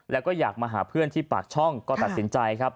แล้วก็อยากมาหาเพื่อนที่ปากช่องก็ตัดสินใจครับ